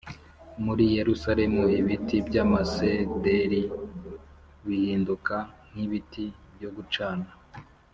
muri Yerusalemu ibiti byamasederi bihinduka nkibiti byo gucana